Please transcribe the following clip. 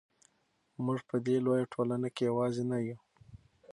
موږ په دې لویه ټولنه کې یوازې نه یو.